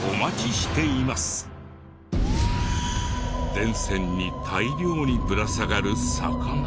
電線に大量にぶら下がる魚？